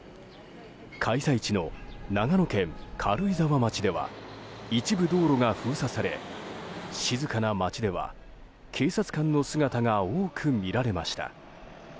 開催地の長野県軽井沢町では一部道路が封鎖され静かな町では警察官の姿が多く見られました。